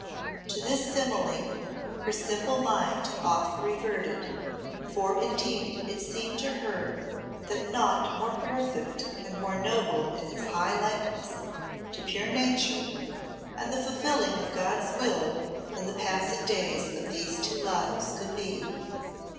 To this simile her simple mind oft reverted, for indeed it seemed to her that naught more perfect and more noble in its high likeness to pure Nature and the fulfilling of God's will than the passing days of these two lives could be.